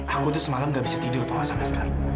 aku itu semalam tidak bisa tidur tuan asami sekali